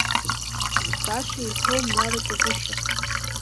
Баша иҳәом Уарада, гәышьа…